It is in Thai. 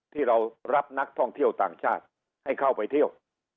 ที่เรารับนักท่องเที่ยวต่างชาติให้เข้าไปเที่ยว